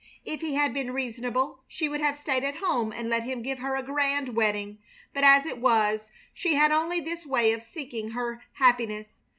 If he had been reasonable she would have stayed at home and let him give her a grand wedding; but as it was she had only this way of seeking her happiness.